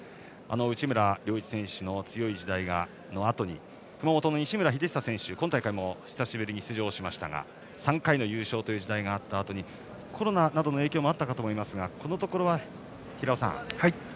内村良一選手の強い時代のあとに熊本の西村英久先取今大会も出場しましたが３回の優勝があった時代のあとにコロナなどの影響もあったかと思いますがこのところは、平尾さん